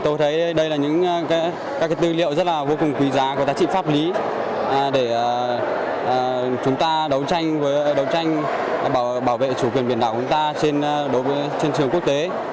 tôi thấy đây là những các tư liệu rất là vô cùng quý giá có giá trị pháp lý để chúng ta đấu tranh với đấu tranh bảo vệ chủ quyền biển đảo của ta trên trường quốc tế